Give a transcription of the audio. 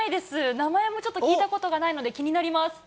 名前もちょっと聞いたことがないので気になります。